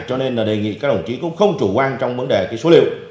cho nên đề nghị các đồng chí không chủ quan trong vấn đề số liệu